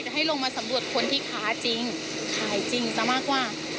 ก็คือให้ลงมาสำรวจคนที่ค้าจริงขายจริงสามารถกว้าง